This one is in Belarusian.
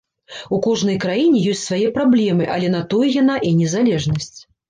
У кожнай краіне ёсць свае праблемы, але на тое яна і незалежнасць.